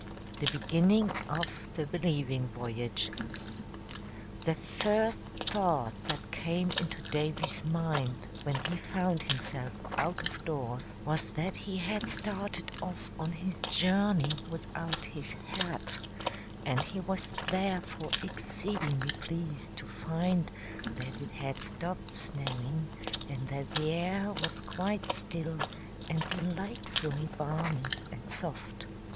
THE BEGINNING OF THE BELIEVING VOYAGE. The first thought that came into Davy's mind when he found himself out of doors was that he had started off on his journey without his hat, and he was therefore exceedingly pleased to find that it had stopped snowing and that the air was quite still and delightfully balmy and soft.